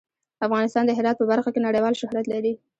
افغانستان د هرات په برخه کې نړیوال شهرت لري.